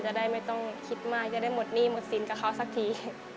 จะได้ไม่ต้องคิดมากจะได้หมดหนี้หมดสินกับเขาสักที